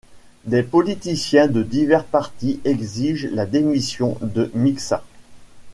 Des politiciens de divers partis exigent la démission de Mixa.